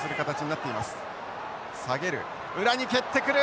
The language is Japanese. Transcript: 下げる裏に蹴ってくる！